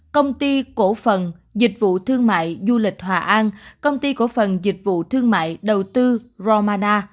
công ty cổ phần dịch vụ thương mại du lịch hòa an công ty cổ phần dịch vụ thương mại đầu tư romana